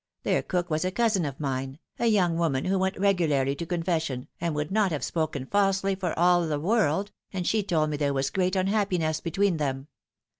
Their cook was a cousin of mine, a young woman who went regularly to confes sion, and would not have spoken falsely for all the world, and she told me there was great unhappiness between them.